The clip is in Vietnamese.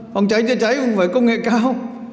không cháy cháy cháy cũng phải công nghệ cao